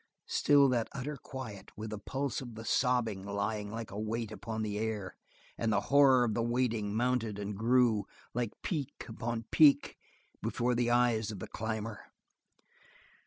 Still that utter quiet, with the pulse of the sobbing lying like a weight upon the air, and the horror of the waiting mounted and grew, like peak upon peak before the eyes of the climber.